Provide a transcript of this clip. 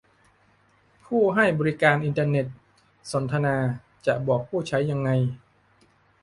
ผู้ให้บริการอินเทอร์เน็ตสนทนา : จะบอกผู้ใช้ยังไง